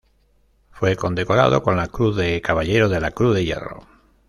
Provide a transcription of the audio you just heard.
Fue condecorado con la Cruz de Caballero de la Cruz de Hierro.